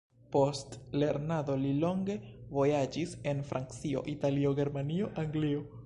Post lernado li longe vojaĝis en Francio, Italio, Germanio, Anglio.